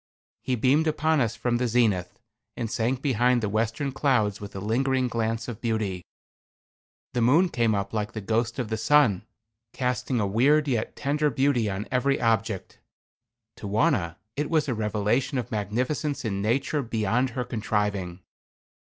He beamed upon us from the zenith, and sank behind the western clouds with a lingering glance of beauty. The moon came up like the ghost of the sun, casting a weird yet tender beauty on every object. To Wauna it was a revelation of magnificence in nature beyond her contriving.